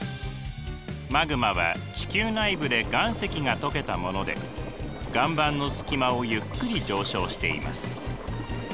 マグマは地球内部で岩石が溶けたもので岩盤の隙間をゆっくり上昇しています。